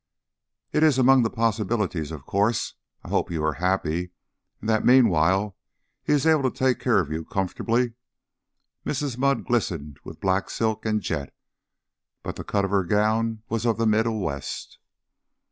"It is among the possibilities, of course. I hope you are happy, and that meanwhile he is able to take care of you comfortably." Mrs. Mudd glistened with black silk and jet, but the cut of her gown was of the Middle West.